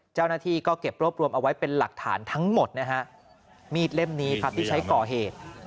เจ้าหน้าที่ก็เก็บรวบรวมเอาไว้เป็นหลักฐานทั้งหมดนะฮะมีดเล่มนี้ครับที่ใช้ก่อเหตุ